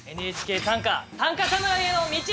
「ＮＨＫ短歌短歌侍への道」！